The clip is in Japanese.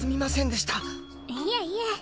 いえいえ。